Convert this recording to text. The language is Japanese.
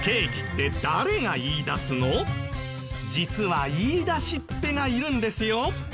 実は言い出しっぺがいるんですよ。